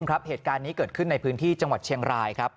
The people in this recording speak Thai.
ครับเหตุการณ์นี้เกิดขึ้นในพื้นที่จังหวัดเชียงรายครับ